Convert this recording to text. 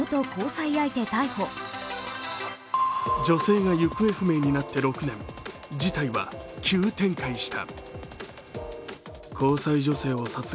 女性が行方不明になって６年事態は急展開した。